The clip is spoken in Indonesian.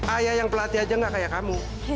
ayah yang pelatih aja gak kayak kamu